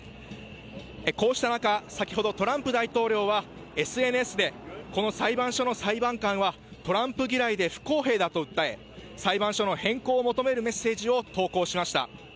こうした中先ほど、トランプ大統領はＳＮＳで、この裁判所の裁判官はトランプ嫌いで不公平だと訴え裁判所の変更を求めるメッセージを投稿しました。